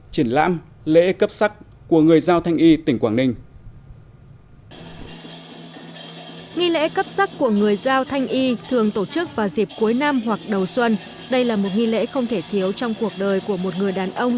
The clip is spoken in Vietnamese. triển lãm lễ cấp sắc của người giao thanh y tỉnh quảng ninh